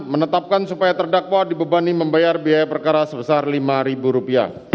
menetapkan supaya terdakwa dibebani membayar biaya perkara sebesar rp lima